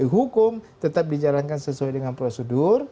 hukum tetap dijalankan sesuai dengan prosedur